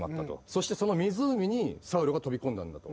そしてその湖にサウロが飛び込んだんだと。